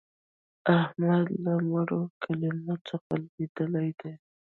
احمد له مړو کلمو څخه لوېدلی دی.